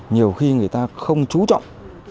nhiều khi người ta không chú trọng